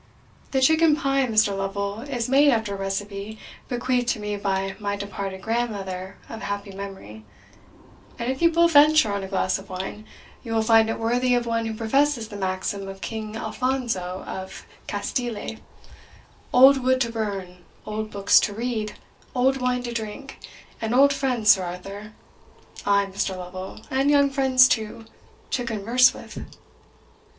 The chicken pie, Mr. Lovel, is made after a recipe bequeathed to me by my departed grandmother of happy memory And if you will venture on a glass of wine, you will find it worthy of one who professes the maxim of King Alphonso of Castile, Old wood to burn old books to read old wine to drink and old friends, Sir Arthur ay, Mr. Lovel, and young friends too, to converse with."